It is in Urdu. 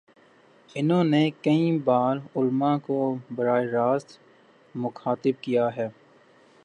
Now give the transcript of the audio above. انہوں نے کئی بارعلما کو براہ راست مخاطب کیا ہے۔